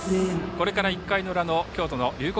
これから１回の裏の京都の龍谷